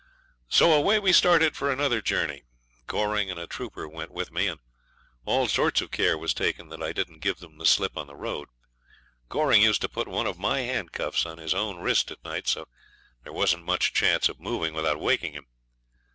So away we started for another journey. Goring and a trooper went with me, and all sorts of care was taken that I didn't give them the slip on the road. Goring used to put one of my handcuffs on his own wrist at night, so there wasn't much chance of moving without waking him.